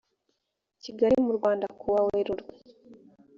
kigali mu rwanda kuwa werurwe